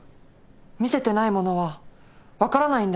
見せてないものは分からないんだよ。